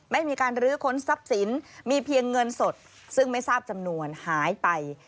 ไม่มีการลื้อค้นทรัพย์สินมีเพียงเงินสดซึ่งไม่ทราบจำนวนหายไป